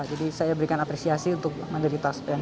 jadi saya berikan apresiasi untuk mandiri taspen